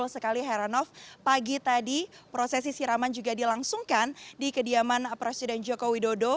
sekali heranov pagi tadi prosesi siraman juga dilangsungkan di kediaman presiden joko widodo